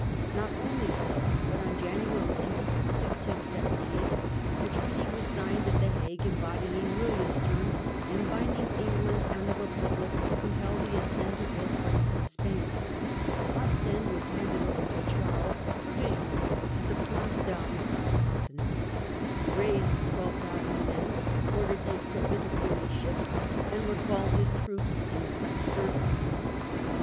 Not only so, but on England January 10, 1678, a treaty was signed at the Republic Hague, embodying William's terms, and bind january io, ing England and the Republic to compel the 10785 assent of both France and Spain. Ostendwas handed over to Charles provisionally as a place (Pannes on the Continent. He raised 12,000 men, ordered the equipment of thirty ships, and recalled his troops in the French service.